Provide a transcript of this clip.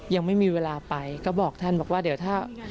ยังไม่มีเวลาไปก็บอกท่านบอกว่าเดี๋ยวถ้า